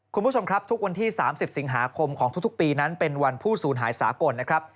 คุณผู้ชมครับทุกวันที่๓๐สิงหาคมของทุกปีนั้นเป็นวันผู้สูญหายสากลนะครับ